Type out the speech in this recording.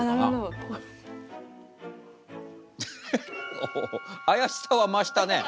おお怪しさは増したね。